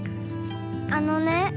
あのね。